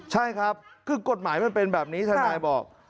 ใช่ครับคือกฎหมายมันเป็นแบบนี้ทนายบอก